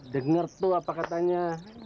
denger tuh apa katanya